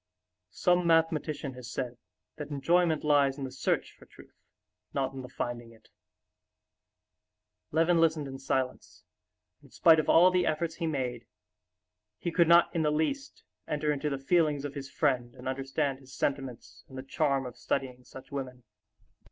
Some mathematician has said that enjoyment lies in the search for truth, not in the finding it." Levin listened in silence, and in spite of all the efforts he made, he could not in the least enter into the feelings of his friend and understand his sentiments and the charm of studying such women.